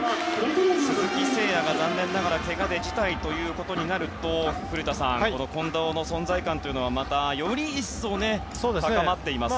鈴木誠也が残念ながらけがで辞退ということになると近藤の存在感がまた、より一層高まっていますね。